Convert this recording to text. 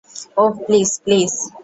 Oh, please please!